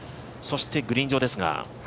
そしてグリーン上ですが。